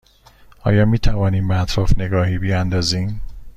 آیا می توانیم به اطراف نگاهی بیاندازیم؟